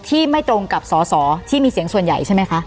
ไม่ตรงกับสอสอที่มีเสียงส่วนใหญ่ใช่ไหมคะ